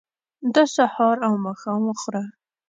دا سهار او ماښام وخوره.